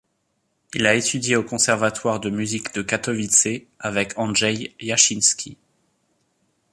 Il a étudié au conservatoire de musique de Katowice avec Andrzej Jasiński.